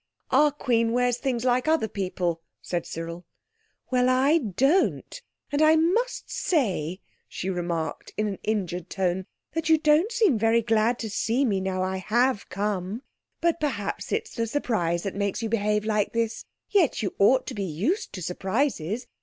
"Our Queen wears things like other people," said Cyril. "Well, I don't. And I must say," she remarked in an injured tone, "that you don't seem very glad to see me now I have come. But perhaps it's the surprise that makes you behave like this. Yet you ought to be used to surprises.